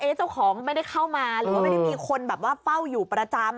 เจ้าของไม่ได้เข้ามาหรือว่าไม่ได้มีคนแบบว่าเฝ้าอยู่ประจำ